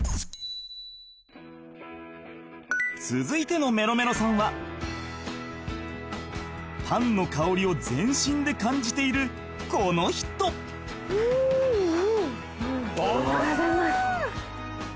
［続いてのメロメロさんはパンの香りを全身で感じているこの人］んおはようございます。